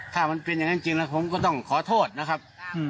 ถ้ามันเป็นอย่างนั้นจริงแล้วผมก็ต้องขอโทษนะครับ